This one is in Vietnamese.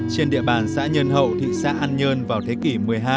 trên địa bàn xã nhân hậu thị xã an nhơn vào thế kỷ một mươi hai